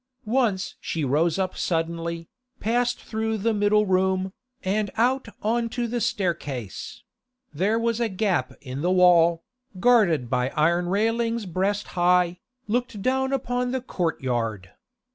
Once she rose up suddenly, passed through the middle room, and out on to the staircase; there a gap in the wall, guarded by iron railings breast high, looked down upon the courtyard.